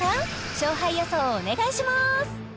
勝敗予想をお願いします